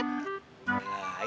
itu lagi ada di rumah sakit